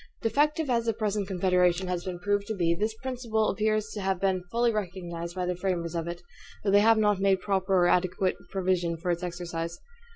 Defective as the present Confederation has been proved to be, this principle appears to have been fully recognized by the framers of it; though they have not made proper or adequate provision for its exercise.